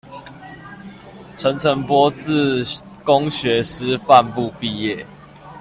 陳澄波自公學師範部畢業